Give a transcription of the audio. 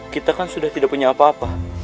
kita kan sudah tidak punya apa apa